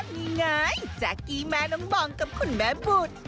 นี่ไงแจ๊กกี้แม่น้องบองกับคุณแม่บุตร